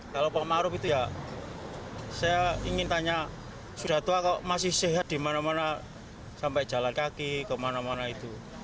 masyarakat itu ya saya ingin tanya sudah tua kok masih sehat di mana mana sampai jalan kaki kemana mana itu